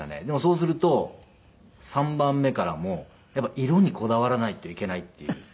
でもそうすると３番目からもうやっぱり色にこだわらないといけないっていう。